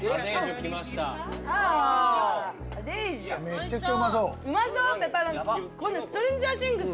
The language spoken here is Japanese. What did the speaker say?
めちゃくちゃうまそう。